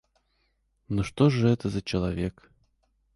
Но что же это за человек?